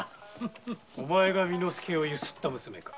お前が巳之助をユスった娘か。